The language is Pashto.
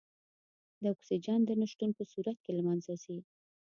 د اکسیجن د نه شتون په صورت کې له منځه ځي.